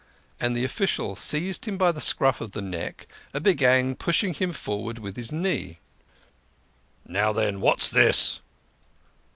And the official seized him by the scruff of the neck and began pushing him forwards with his knee. " Now then ! what's this?